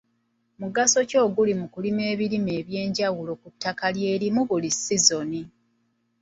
Mugaso ki oguli mu kulima ebimera eby'enjawulo ku ttaka lye limu buli sizoni?